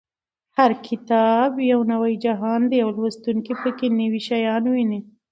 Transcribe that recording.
هر کتاب یو نوی جهان دی چې لوستونکی په کې نوي شیان ویني.